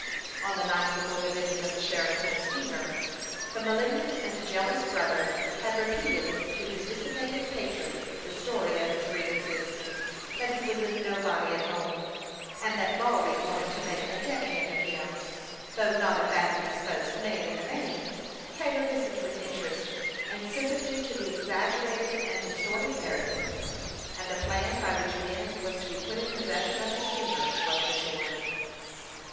On the 19 218 HASTE AND WASTE, OR night before the visit of the sheriff to the steamer, the malignant and jealous brother had repeated to his dissipated patron the story of his grievances that he was a " nobody " at home, and that Lawry wanted to make a deck hand of him. Though not a badly disposed man in the main, Taylor listened with in terest and sympathy to the exaggerated and distorted narrative, and the plan by which Ben was to be put in possession of the steamer was matured.